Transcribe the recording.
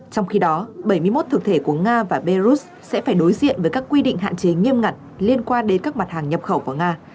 trong khi đó bảy mươi một thực thể của nga và belarus sẽ phải đối diện với các quy định hạn chế nghiêm ngặt liên quan đến các mặt hàng nhập khẩu vào nga